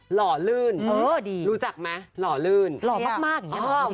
หล่อลื่นรู้จักไหมหล่อลื่นหล่อมากอย่างนี้คุณผู้ชม